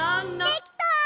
できた！